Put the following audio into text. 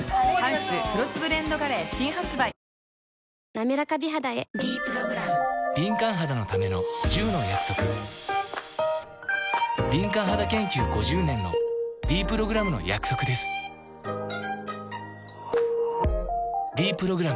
なめらか美肌へ「ｄプログラム」敏感肌研究５０年のｄプログラムの約束です「ｄプログラム」